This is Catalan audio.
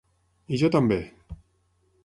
I jo també!